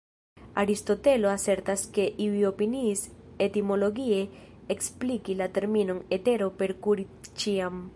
Aristotelo asertas ke iuj opiniis etimologie ekspliki la terminon “etero” per "kuri ĉiam”.